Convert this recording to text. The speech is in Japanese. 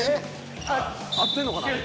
合ってんのかな？